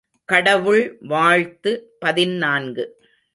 கடவுள் வாழ்த்து பதினான்கு .